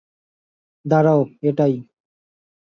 দাঁড়াও, এটাই।